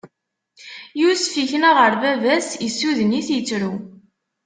Yusef ikna ɣer baba-s, issuden-it, ittru.